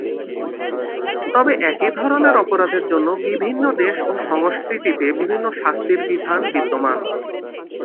তবে একই ধরনের অপরাধের জন্য বিভিন্ন দেশ ও সংস্কৃতিতে বিভিন্ন শাস্তির বিধান বিদ্যমান।